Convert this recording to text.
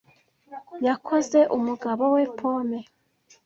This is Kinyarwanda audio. Yakoze umugabo we pome.